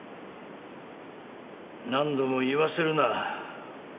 何度も言わせるな。